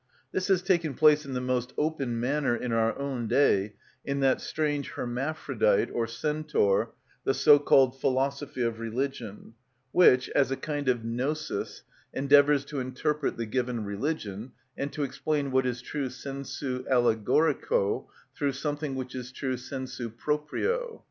This has taken place in the most open manner in our own day in that strange hermaphrodite or centaur, the so called philosophy of religion, which, as a kind of gnosis, endeavours to interpret the given religion, and to explain what is true sensu allegorico through something which is true sensu proprio.